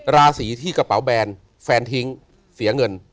ราศีที่กระเป๋าแบนแฟนทิ้งเสียเงิน